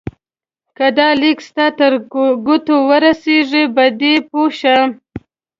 که دا لیک ستا تر ګوتو درورسېږي په دې پوه شه.